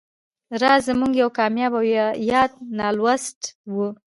راز زموږ یو کامیاب او یاد ناولسټ و